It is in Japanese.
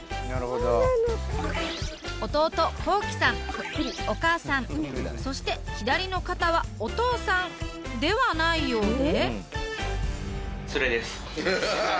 夜は亀谷さんのそして左の方はお父さんではないようで。